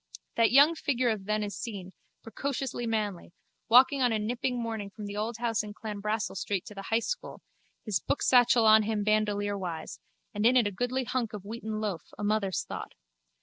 That young figure of then is seen, precociously manly, walking on a nipping morning from the old house in Clanbrassil street to the high school, his booksatchel on him bandolierwise, and in it a goodly hunk of wheaten loaf, a mother's thought.